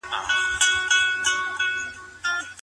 ازاده مطالعه د فکر پېچلتیاوې حل کوي.